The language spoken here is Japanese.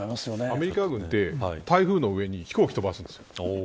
アメリカ軍って台風の上に飛行機飛ばすんです。